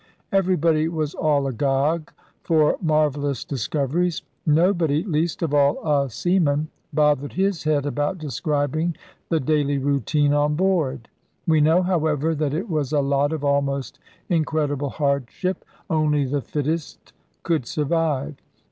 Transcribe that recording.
Everybody was all agog for marvellous discoveries. Nobody, least of all a seaman, bothered his head about describing the daily routine on board. We know, however, that it was a lot of almost incredible hardship. Only the fittest could survive.